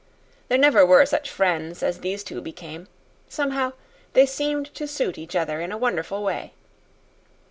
There never were such friends as these two became. Somehow, they seemed to suit each other in a wonderful way.